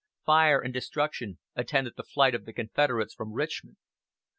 Fire and destruction attended the flight of the Confederates from Richmond.